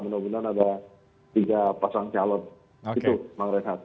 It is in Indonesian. mudah mudahan ada tiga pasang calon itu bang rehat